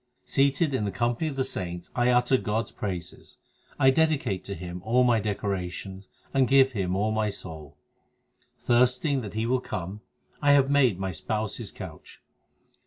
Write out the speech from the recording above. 2 Seated in the company of the saints, I utter God s praises ; I dedicate to Him all my decorations, and give Him all my soul. Thirsting that He will come, I have made my Spouse s couch.